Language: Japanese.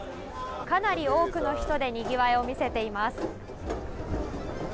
かなり多くの人で賑わいを見せています。